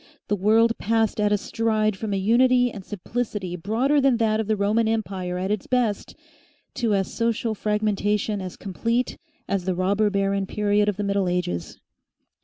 The world passed at a stride from a unity and simplicity broader than that of the Roman Empire at its best, to as social fragmentation as complete as the robber baron period of the Middle Ages.